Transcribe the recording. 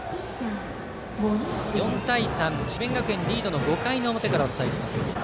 ４対３、智弁学園リードの５回の表からお伝えします。